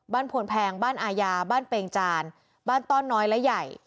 พวนแพงบ้านอาญาบ้านเปงจานบ้านต้อนน้อยและใหญ่